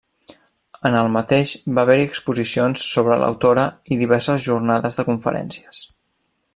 En el mateix va haver-hi exposicions sobre l'autora i diverses jornades de conferències.